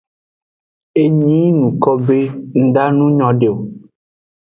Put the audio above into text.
Enyi yi nuko be nda nu nyode o.